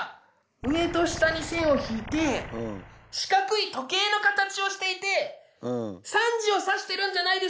上と下に線を引いて四角い時計の形をしていて３時を指してるんじゃないでしょうか。